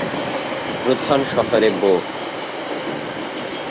প্রধান শহরে বো।